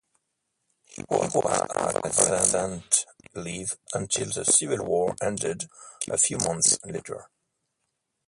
He was on convalescent leave until the Civil War ended a few months later.